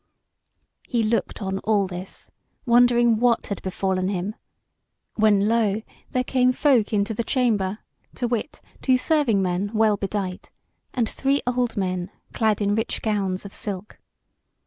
He looked on all this, wondering what had befallen him, when lo! there came folk into the chamber, to wit, two serving men well bedight, and three old men clad in rich gowns of silk.